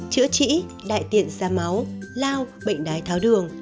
chữa trĩ đại tiện xa máu lao bệnh đái tháo đường